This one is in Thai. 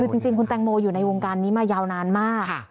คือจริงคุณแตงโมอยู่ในวงการนี้มายาวนานมาก